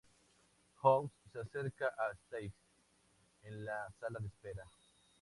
House se acerca a Stacy en la sala de espera.